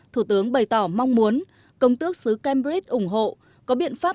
thủ tướng bày tỏ mong muốn công tước xứ cambridge ủng hộ có biện pháp